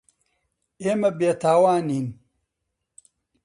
ئێمە بێتاوانین.